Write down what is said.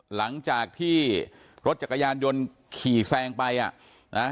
หลังจากที่รถจักรยานยนต์ขี่แซงไปอ่ะนะ